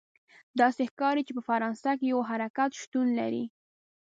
داسې ښکاري چې په فرانسه کې یو حرکت شتون لري.